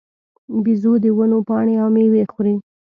بیزو د ونو پاڼې او مېوې خوري.